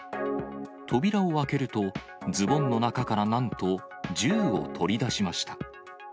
扉を開けると、ズボンの中からなんと、銃を取り出しました。